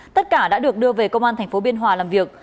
tất cả đã được đưa về công an tp biên hòa làm việc